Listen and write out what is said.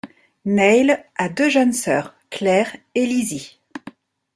Neil a deux jeunes sœurs, Claire et Lizzy.